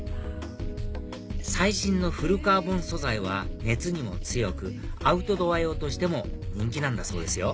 最新のフルカーボン素材は熱にも強くアウトドア用としても人気なんだそうですよ